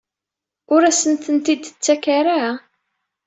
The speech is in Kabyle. Ur asen-ten-id-ttakent ara?